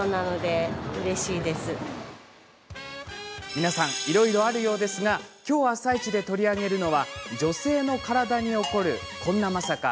皆さんいろいろあるようですが今日「あさイチ」で取り上げるのは女性の体に起こる、こんなまさか。